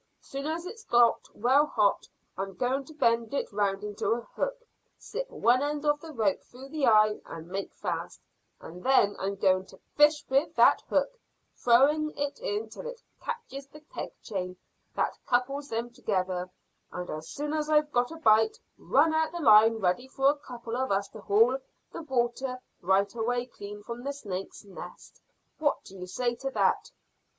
Soon as it's well hot I'm going to bend it round into a hook, slip one end of the rope through the eye and make fast, and then I'm going to fish with that hook throwing it in till it catches the keg chain that couples them together, and as soon as I've got a bite run out the line ready for a couple of us to haul the water right away clean from the snake's nest. What do you say to that?"